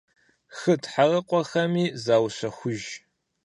Хы тхьэрыкъуэхэми заущэхуж.